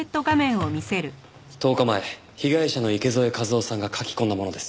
１０日前被害者の池添一雄さんが書き込んだものです。